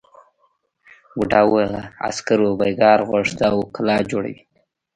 بوڊا وویل عسکرو بېگار غوښت او کلا جوړوي.